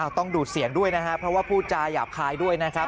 ต้องดูดเสียงด้วยนะครับเพราะว่าพูดจาหยาบคายด้วยนะครับ